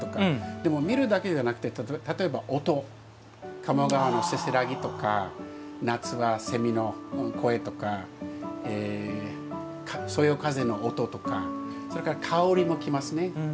でも、見るだけじゃなくて例えば音鴨川のせせらぎとか夏はセミの声とかそよ風の音とかそれから香りも来ますね。